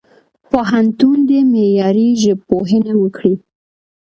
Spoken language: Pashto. پوهنتون دي معیاري ژبپوهنه وکړي.